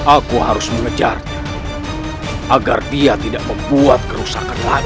aku harus mengejarnya agar dia tidak membuat kerusakan lagi